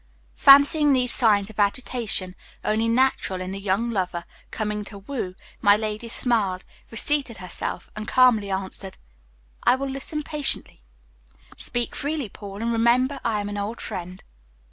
Fancying these signs of agitation only natural in a young lover coming to woo, my lady smiled, reseated herself, and calmly answered, "I will listen patiently. Speak freely, Paul, and remember I am an old friend."